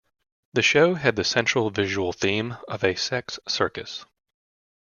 The show had the central visual theme of a "sex circus".